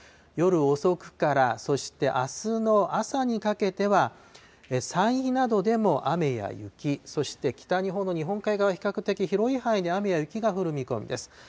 夜遅くから、そして、あすの朝にかけては、山陰などでも雨や雪、そして北日本の日本海側、比較的広い範囲で雨や雪が降る見込みです。